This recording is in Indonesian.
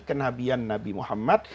kenabian nabi muhammad